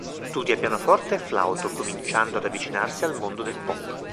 Studia pianoforte e flauto, cominciando ad avvicinarsi al mondo del pop.